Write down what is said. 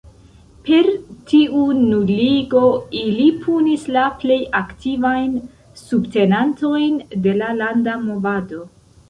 Per tiu nuligo, ili punis la plej aktivajn subtenantojn de la landa movado.